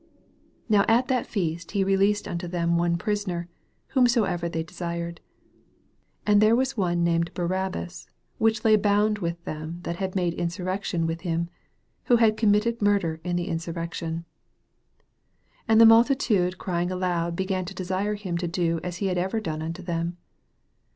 6 Now at that feast he released unto them one prisoner, whomsoever they desired. 7 And there was one named Barab bas, which lay bound with them that had made insurrection with him, who had committed murder in the insur rection. 8 And the multitude crying aloud began to desire him to do as ne had ever done unto them.